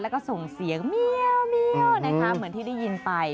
แล้วก็ส่งเสียงเมียวนะคะเหมือนที่ได้ยินไป